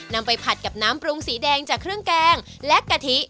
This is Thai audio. นำไปผัดกับน้ำปรุงสีแดงจากเครื่องแกงและกะทิ